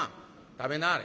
「食べなはれ。